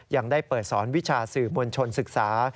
ยังได้เปิดสอนวิชาสื่อมวลชนศึกษา